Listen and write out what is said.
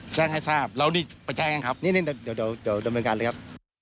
แจ้งให้สาปแล้วนี่ไปแจ้งกันครับ